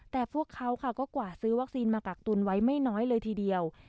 แต่พวกเขาค่ะก็กว่าซื้อวัคซีนมากักตุนไว้ไม่น้อยเลยทีเดียว